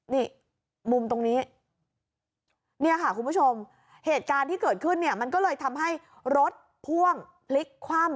นี่มุมตรงนี้เนี่ยค่ะคุณผู้ชมเหตุการณ์ที่เกิดขึ้นเนี่ยมันก็เลยทำให้รถพ่วงพลิกคว่ำ